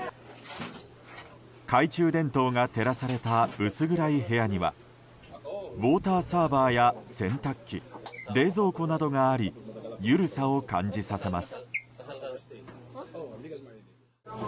懐中電灯が照らされた薄暗い部屋にはウォーターサーバーや洗濯機冷蔵庫などがあり緩さを感じさせます。